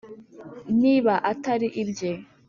niba atari ibye